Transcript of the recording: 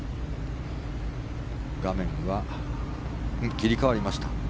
画面は切り替わりました。